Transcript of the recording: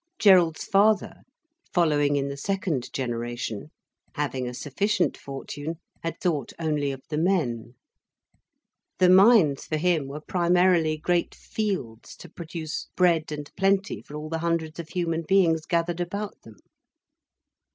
Gerald's father, following in the second generation, having a sufficient fortune, had thought only of the men. The mines, for him, were primarily great fields to produce bread and plenty for all the hundreds of human beings gathered about them.